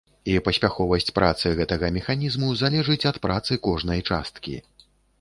І паспяховасць працы гэтага механізму залежыць ад працы кожнай часткі.